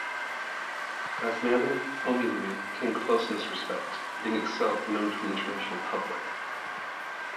"Basmele Omului" came close in this respect, being itself known to an international public.